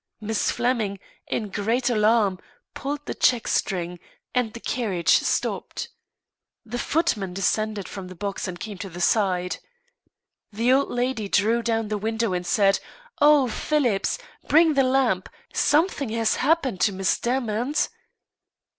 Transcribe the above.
Miss Flemming, in great alarm, pulled the checkstring, and the carriage stopped. The footman descended from the box and came to the side. The old lady drew down the window and said: "Oh! Phillips, bring the lamp. Something has happened to Miss Demant."